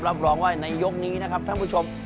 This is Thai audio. รับรองว่าในยกนี้นะครับท่านผู้ชม